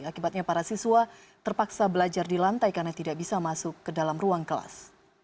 akibatnya para siswa terpaksa belajar di lantai karena tidak bisa masuk ke dalam ruang kelas